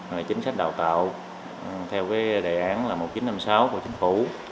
rồi là chính sách đào tạo theo đề án một nghìn chín trăm năm mươi sáu của chính phủ